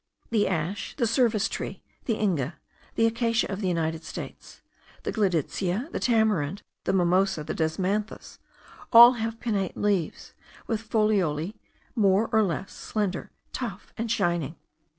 The ash, the service tree, the inga, the acacia of the United States, the gleditsia, the tamarind, the mimosa, the desmanthus, have all pinnate leaves, with foliolae more or less long, slender, tough, and shining.